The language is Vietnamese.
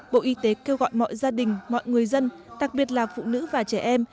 bộ y tế kêu gọi mọi gia đình mọi người dân đặc biệt là phụ nữ và trẻ em